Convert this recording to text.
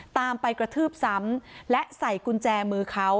ตามไปกระทืบซ้ำและใส่กุญแจมือเขา